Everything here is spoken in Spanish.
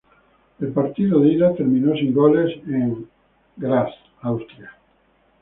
El partido de ida terminó sin goles en Graz, Austria.